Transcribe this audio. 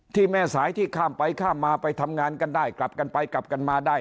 แม่สายที่ข้ามไปข้ามมาไปทำงานกันได้กลับกันไปกลับกันมาได้